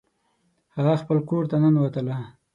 هغه خپل کور ته ننوتله